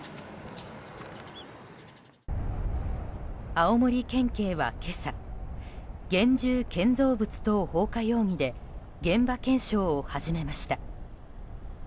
青森県警は今朝現住建造物等放火容疑で現場検証を始めました。